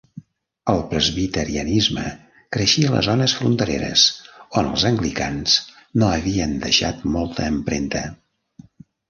El presbiterianisme creixia a les zones frontereres on els anglicans no havien deixat molta empremta.